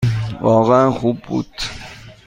واقعاً خوب بود.